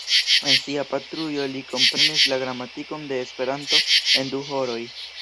En sia patrujo li komprenis la gramatikon de Esperanto en du horoj.